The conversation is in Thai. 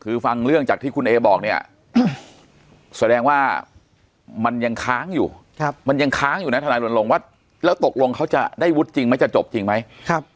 คือฟังเรื่องจากที่คุณเอบอกเนี่ยแสดงว่ามันยังค้างอยู่มันยังค้างอยู่นะทนายรณรงค์ว่าแล้วตกลงเขาจะได้วุฒิจริงไหมจะจบจริงไหม